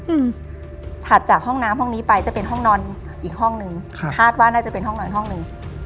อืมถัดจากห้องน้ำห้องนี้ไปจะเป็นห้องนอนอีกห้องหนึ่งครับคาดว่าน่าจะเป็นห้องนอนห้องหนึ่ง